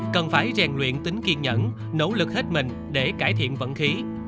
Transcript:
cần phải rèn luyện tính kiên nhẫn nỗ lực hết mình để cải thiện vận khí